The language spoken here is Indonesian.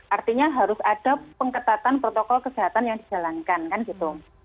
artinya harus ada pengetatan protokol kesehatan yang dijalankan kan gitu